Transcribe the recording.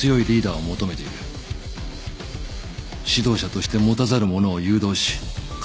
指導者として持たざるものを誘導し活用する。